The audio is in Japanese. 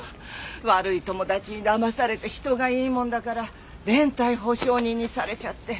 悪い友達にだまされて人がいいもんだから連帯保証人にされちゃって。